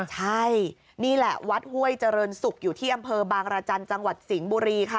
ใช่นี่แหละวัดห้วยเจริญศุกร์อยู่ที่อำเภอบางรจันทร์จังหวัดสิงห์บุรีค่ะ